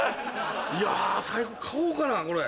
いや買おうかなこれ。